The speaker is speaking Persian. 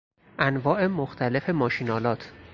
انواع مختلف ماشینآلات